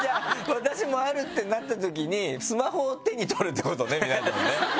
私もあるってなったときにスマホを手に取るってことね皆さんね。